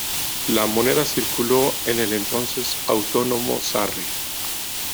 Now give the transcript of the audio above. La moneda circuló en el entonces autónomo Sarre.